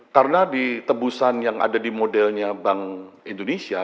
karena di tebusan yang ada di modelnya bank indonesia